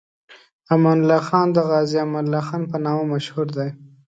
امان الله خان د غازي امان الله خان په نامه مشهور دی.